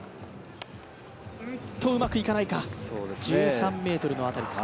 うまくいかないか、１３ｍの辺りか。